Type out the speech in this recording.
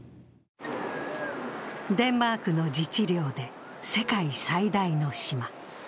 デンマークの自治領で世界最大の島。